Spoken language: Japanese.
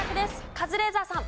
カズレーザーさん。